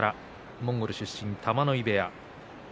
モンゴル出身玉ノ井部屋。